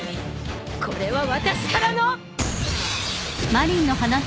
これは私からの。